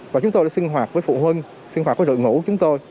và chúng tôi đã sinh hoạt với phụ huynh sinh hoạt với đội ngũ chúng tôi